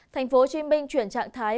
thành phố hồ chí minh chuyển trạng thái